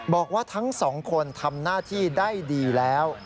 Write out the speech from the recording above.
บอกว่าทั้งสองคนทำหน้าที่ได้ดีแล้ว